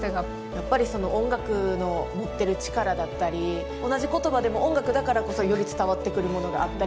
やっぱり音楽の持ってる力だったり同じ言葉でも音楽だからこそより伝わってくるものがあったりもすると思うので